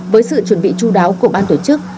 với sự chuẩn bị chú đáo của ban tổ chức